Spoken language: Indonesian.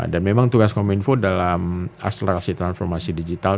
dan memang tugas kominfo dalam akselerasi transformasi digital